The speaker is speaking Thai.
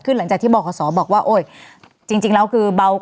เพราะฉะนั้นการบริหารจัดการจำนวนคนค่อนข้าง